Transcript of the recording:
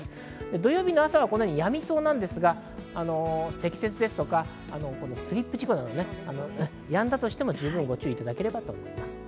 土曜日の朝はこのように、やみそうなんですが積雪ですとか、スリップ事故などやんだとしても十分、ご注意いただければと思います。